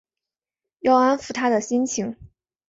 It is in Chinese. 要安抚她的心情